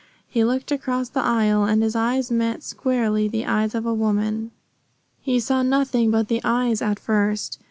He looked across the aisle and his eyes met squarely the eyes of a woman. He saw nothing but the eyes at first.